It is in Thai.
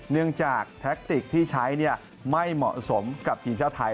เนื่องจากแท็กติกที่ใช้ไม่เหมาะสมกับทีมชาติไทย